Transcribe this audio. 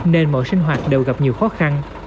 nên mọi sinh hoạt đều gặp nhiều khó khăn